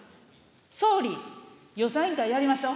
総理、予算委員会やりましょう。